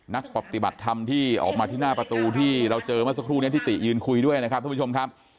นักปฏิบัติธรรมที่ออกมาที่หน้าประตูที่เราเจอเมื่อสักครู่นี้ที่ติยืนคุยด้วยนะครับท่านผู้ชมครับ